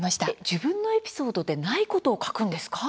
自分のエピソードでないことを書くんですか？